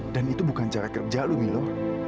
dan itu bukan cara kerja lu milo